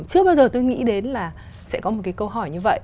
trước bao giờ tôi nghĩ đến là sẽ có một cái câu hỏi như vậy